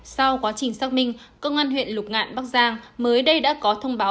sau quá trình xác minh công an huyện lục ngạn bắc giang mới đây đã có thông báo